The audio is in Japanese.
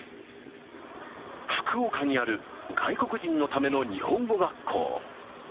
福岡にある外国人のための日本語学校。